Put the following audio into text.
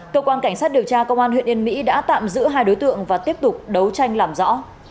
cơ quan cảnh sát điều tra công an huyện yên mỹ đã tạm giữ hai đối tượng và tiếp tục đấu tranh làm rõ